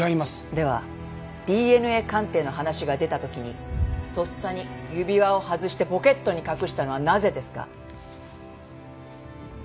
ではＤＮＡ鑑定の話が出た時にとっさに指輪を外してポケットに隠したのはなぜですか？